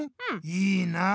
いいなあ。